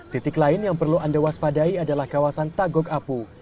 titik lain yang perlu anda waspadai adalah kawasan tagok apu